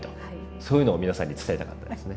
そういうのを皆さんに伝えたかったですね。